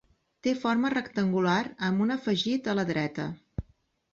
Té forma rectangular amb un afegit a la dreta.